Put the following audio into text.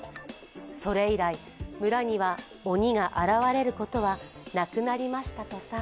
それ以来、村には鬼が現れることはなくなりましたとさ。